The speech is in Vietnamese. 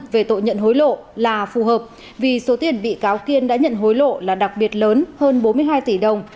về tội nhận hối lộ là phù hợp vì số tiền bị cáo kiên đã nhận hối lộ là đặc biệt lớn hơn bốn mươi hai tỷ đồng